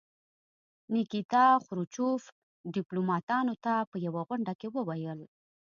نیکیتیا خروچوف ډیپلوماتانو ته په یوه غونډه کې وویل.